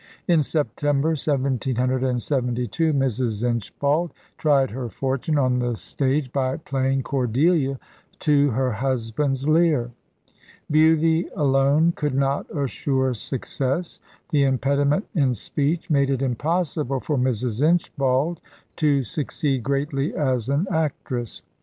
In September, 1772, Mrs. Inchbald tried her fortune on the stage by playing Cordelia to her husband's Lear. Beauty alone could not assure success. The impediment in speech made it impossible for Mrs. Inchbald to succeed greatly as an actress.